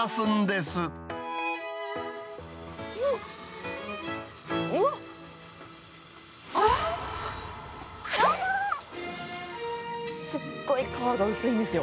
すっごい皮が薄いんですよ。